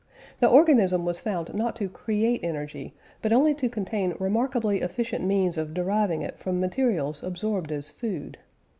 The organism was found not to create energy, but only to contain remarkably efficient means of deriving it from materials absorbed as food.